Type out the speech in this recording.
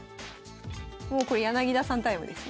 もうこれ柳田さんタイムです。